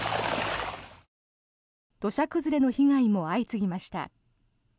土砂崩れの被害も相次ぎました。